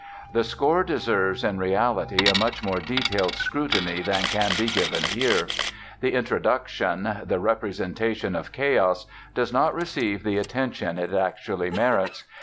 The score deserves, in reality, a much more detailed scrutiny than can be given here. The introduction, the "Representation of Chaos", does not receive the attention it actually merits.